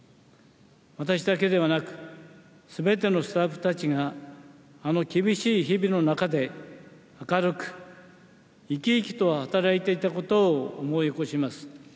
私だけではなく、すべてのスタッフたちが、あの厳しい日々の中で、明るく、生き生きと働いていたことを思い起こします。